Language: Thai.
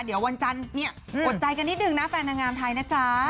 เดี๋ยววันจันทร์เนี่ยอดใจกันนิดนึงนะแฟนนางงามไทยนะจ๊ะ